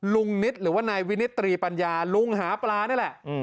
นิตหรือว่านายวินิตรีปัญญาลุงหาปลานี่แหละ